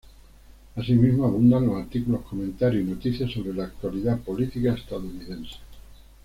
Asímismo, abundan los artículos, comentarios y noticias sobre la actualidad política estadounidense.